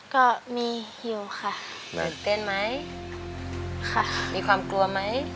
ก็มีอยู่ค่ะเต้นไหมมีความกลัวไหม